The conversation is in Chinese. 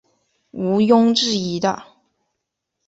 无庸置疑的